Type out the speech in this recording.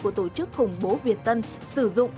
của tổ chức khủng bố việt tân sử dụng